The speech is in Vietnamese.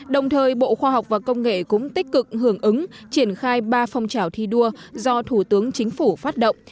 đồng thời bộ khoa học và công nghệ cũng tích cực hưởng ứng triển khai ba phong trào thi đua do thủ tướng chính phủ phát động